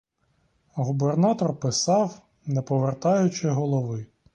Губернатор писав, не повертаючи голови.